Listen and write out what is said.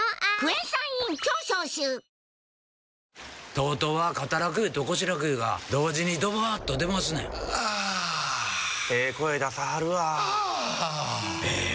ＴＯＴＯは肩楽湯と腰楽湯が同時にドバーッと出ますねんあええ声出さはるわあええ